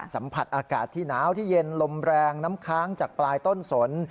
สัมผัสอากาศที่หนาวที่เย็นลมแรงน้ำค้างจากปลายต้นสน